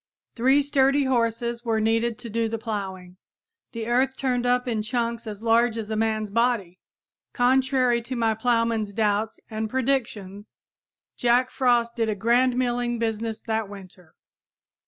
Three sturdy horses were needed to do the plowing. The earth turned up in chunks as large as a man's body. Contrary to my plowman's doubts and predictions, Jack Frost did a grand milling business that winter!